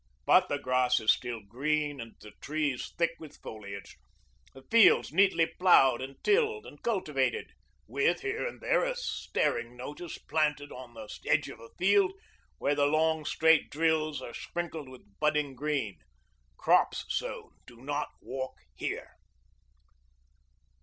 But the grass is still green, and the trees thick with foliage, the fields neatly ploughed and tilled and cultivated, with here and there a staring notice planted on the edge of a field, where the long, straight drills are sprinkled with budding green 'Crops sown. Do not walk here.'